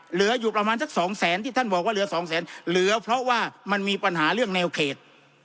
เหลืออยู่ประมาณสักสองแสนที่ท่านบอกว่าเหลือสองแสนเหลือเพราะว่ามันมีปัญหาเรื่องแนวเขต